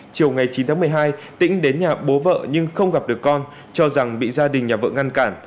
chiều ngày chín tháng một mươi hai tĩnh đến nhà bố vợ nhưng không gặp được con cho rằng bị gia đình nhà vợ ngăn cản